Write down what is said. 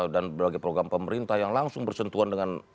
dan berbagai program pemerintah yang langsung bersentuhan dengan